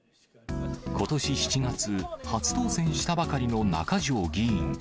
ことし７月、初当選したばかりの中条議員。